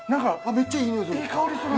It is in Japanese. めっちゃいい匂いする。